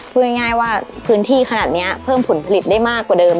พูดง่ายว่าพื้นที่ขนาดนี้เพิ่มผลผลิตได้มากกว่าเดิม